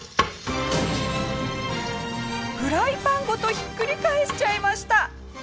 フライパンごとひっくり返しちゃいました。